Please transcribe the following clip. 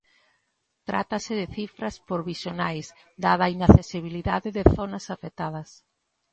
Trátase de cifras provisionais dada a inaccesibilidade de zonas afectadas.